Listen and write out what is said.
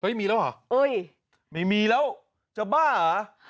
เฮ้ยมีแล้วเหรอไม่มีแล้วจะบ้าเหรอ